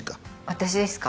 私ですか？